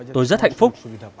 tôi rất hạnh phúc